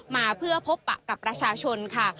มาเพื่อพบปะกับประชาชนค่ะ